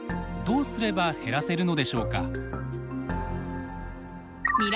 どうすれば減らせるのでしょうか。